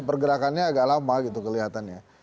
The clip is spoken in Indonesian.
pergerakannya agak lama gitu kelihatannya